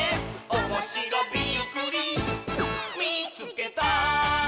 「おもしろびっくりみいつけた！」